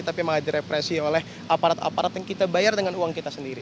tapi memang direpresi oleh aparat aparat yang kita bayar dengan uang kita sendiri